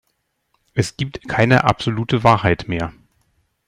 Es gibt keine absolute Wahrheit mehr.